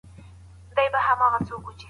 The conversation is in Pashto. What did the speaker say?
زه ولاړ یم